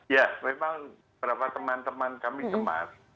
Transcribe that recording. ya memang beberapa teman teman kami cemas